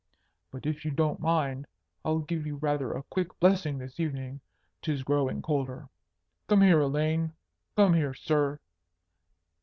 But if you don't mind, I'll give you rather a quick blessing this evening. 'Tis growing colder. Come here, Elaine. Come here, sir.